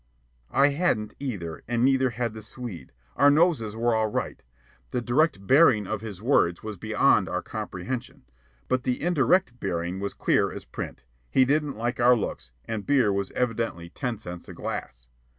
I hadn't either, and neither had the Swede. Our noses were all right. The direct bearing of his words was beyond our comprehension, but the indirect bearing was clear as print: he didn't like our looks, and beer was evidently ten cents a glass.